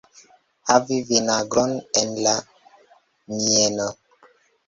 Havi vinagron en la mieno.